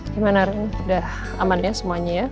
gimana udah aman ya semuanya ya